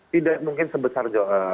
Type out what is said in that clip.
tidak mungkin sebesar